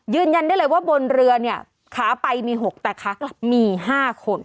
ยืนยันได้เลยว่าบนเรือเนี่ยขาไปมี๖แต่ขากลับมี๕คน